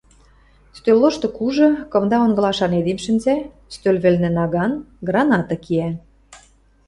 Стӧл лошты кужы, кымда онгылашан эдем шӹнзӓ, стӧл вӹлнӹ наган, граната киӓ.